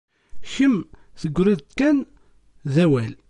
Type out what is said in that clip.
Kemm tegriḍ-d kan d awal.